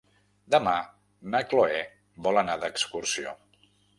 Demà na Cloè vol anar d'excursió.